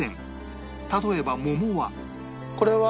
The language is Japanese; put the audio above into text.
例えば桃は